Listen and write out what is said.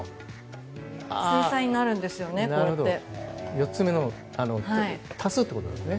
４つ目、足すってことね。